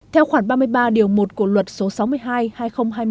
theo khoản ba mươi ba điều một của luật số sáu mươi hai hai nghìn hai mươi